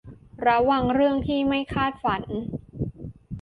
ระวังเรื่องที่ไม่คาดฝัน